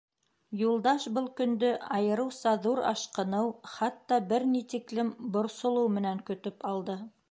Юлдаш был көндө айырыуса ҙур ашҡыныу, хатта бер ни тиклем борсолоу менән көтөп алды.